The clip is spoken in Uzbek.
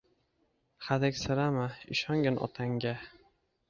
Hadiksirama, ishongin otangga